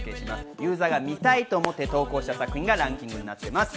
ユーザーがみたいと思って投稿した作品がランキングされています。